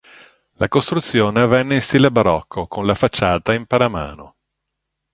La costruzione avvenne in stile Barocco con la facciata in paramano.